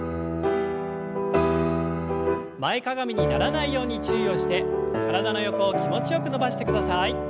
前かがみにならないように注意をして体の横を気持ちよく伸ばしてください。